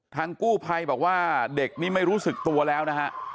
กู้ภัยบอกว่าเด็กนี้ไม่รู้สึกตัวแล้วนะฮะ